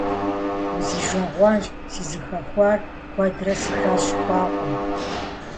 Узижагъуэнщ! Сызыхэхуар куэдрэ си фӀэщ хъуакъым.